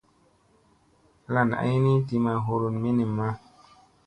Lan ay ni ti ma hurun minimma.